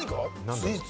スイーツ？